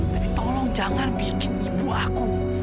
tapi tolong jangan bikin ibu aku